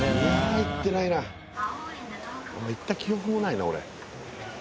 行った記憶もないな俺。